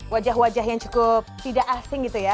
wajah wajah yang cukup tidak asing gitu ya